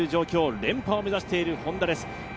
連覇を目指しているＨｏｎｄａです。